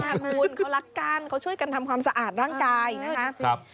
คุณเขารักกันเขาช่วยกันทำความสะอาดร่างกายนะครับ